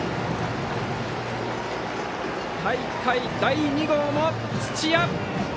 大会第２号も土屋！